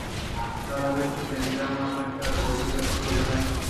Cada vez que se emplea una magia, se reducen los puntos de magia.